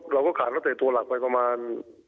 เราก็ขาดแล้วเตรียมตัวหลักไปประมาณ